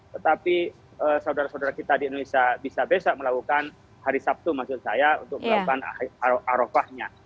tetapi saudara saudara kita di indonesia bisa besok melakukan hari sabtu maksud saya untuk melakukan arafahnya